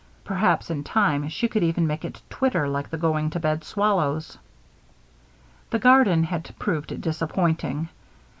Perhaps, in time, she could even make it twitter like the going to bed swallows. The garden had proved disappointing.